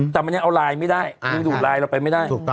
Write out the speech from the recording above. แต่มันยังเอาไลน์ไม่ได้ดูดไลน์เราไปไม่ได้